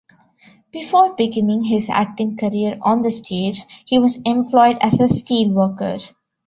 Before beginning his acting career on the stage, he was employed as a steelworker.